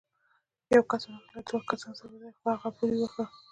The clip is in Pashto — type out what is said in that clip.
يو کس ورغی، له دوو کسانو سره ودرېد، خو هغوی پورې واهه.